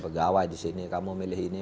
pegawai di sini kamu milih ini